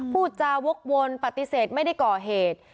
พูดจาวกวนปฏิเสธไม่ได้ก่อเหตุ